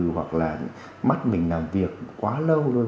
hoặc là mắt mình làm việc quá lâu rồi